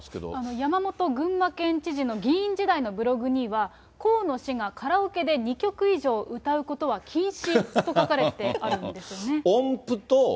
山本群馬県知事の議員時代のブログには、河野氏がカラオケで２曲以上歌うことは禁止と書かれてあるんです音符と。